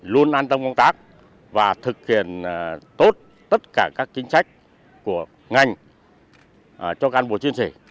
luôn an tâm công tác và thực hiện tốt tất cả các chính sách của ngành cho cán bộ chiến sĩ